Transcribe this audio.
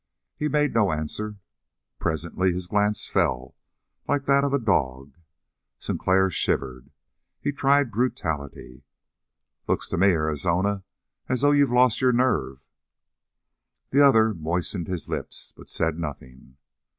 He made no answer. Presently his glance fell, like that of a dog. Sinclair shivered. He tried brutality. "Looks to me, Arizona, as though you'd lost your nerve." The other moistened his lips, but said nothing.